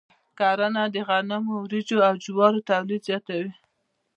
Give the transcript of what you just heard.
کرنه د غنمو، وريجو، او جوارو تولید زیاتوي.